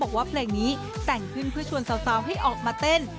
บอกว่าเพลงนี้แต่งขึ้นเพื่อชวนสาวให้ออกมาเต้น